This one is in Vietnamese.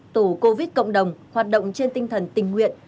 tổ covid cộng đồng hoạt động trên tinh thần tình nguyện